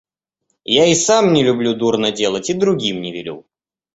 Я и сам не люблю дурно делать и другим не велю.